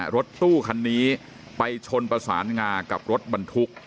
รถตู้คันนี้ไปชนประสานงากับรถบรรทุก